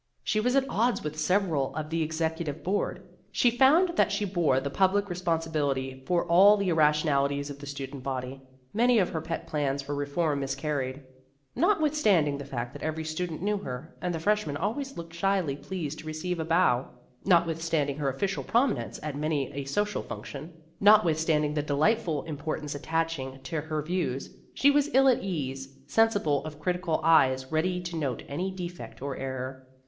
She was at odds with several on the Ex ecutive Board. She found that she bore the public responsibility for all the irra tionalities of the student body. Many of her pet plans for reform miscarried. Not withstanding the fact that every student knew her, and the freshmen always looked shyly pleased to receive a bow, notwith standing her official prominence at many a social function, notwithstanding the delightful importance attaching to her views, she was ill at ease sensible of crit ical eyes ready to note any defect or error.